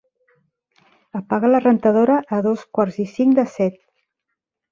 Apaga la rentadora a dos quarts i cinc de set.